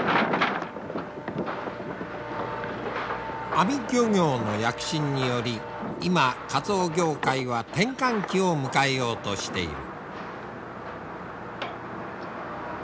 網漁業の躍進により今カツオ業界は転換期を迎えようとしている。